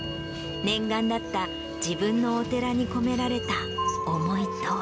念願だった自分のお寺に込められた思いとは。